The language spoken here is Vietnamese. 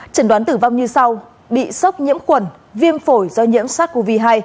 trần đoán tử vong như sau bị sốc nhiễm khuẩn viêm phổi do nhiễm sars cov hai